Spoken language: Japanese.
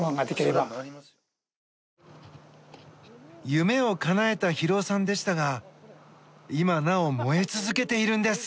夢をかなえた博男さんでしたが今、なお燃え続けているんです。